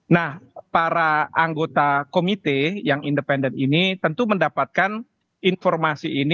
nah para anggota komite yang independen ini tentu mendapatkan informasi ini